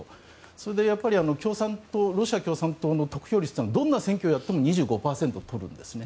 それで、やっぱりロシア共産党の得票率はどんな選挙をやっても２５％をとるんですね。